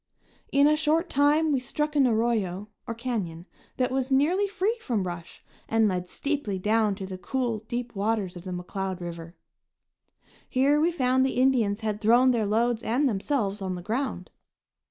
In a short time we struck an arroyo, or canyon, that was nearly free from brush and led steeply down to the cool, deep waters of the McCloud River. Here we found the Indians had thrown their loads and themselves on the ground.